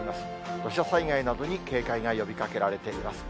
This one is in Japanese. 土砂災害などに警戒が呼びかけられています。